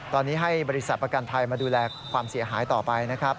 ตอนนี้ให้บริษัทประกันภัยมาดูแลความเสียหายต่อไปนะครับ